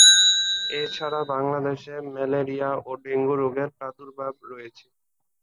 এছাড়া বাংলাদেশে ম্যালেরিয়া ও ডেঙ্গু রোগের প্রাদুর্ভাব রয়েছে।